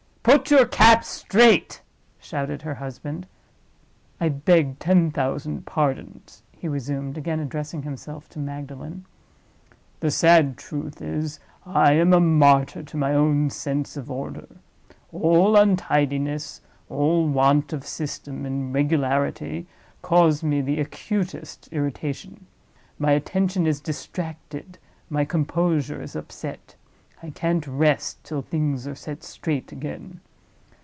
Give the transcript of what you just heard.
"Put your cap straight!" shouted her husband. "I beg ten thousand pardons," he resumed, again addressing himself to Magdalen. "The sad truth is, I am a martyr to my own sense of order. All untidiness, all want of system and regularity, cause me the acutest irritation. My attention is distracted, my composure is upset; I can't rest till things are set straight again.